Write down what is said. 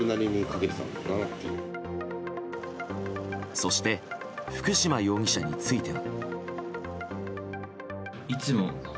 そして福島容疑者については。